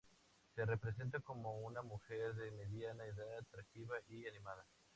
Se representa como una mujer de mediana edad atractiva y animada.